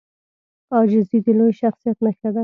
عاجزي د لوی شخصیت نښه ده.